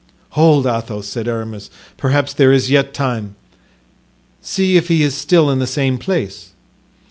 "Hold, Athos," said Aramis, "perhaps there is yet time. See if he is still in the same place."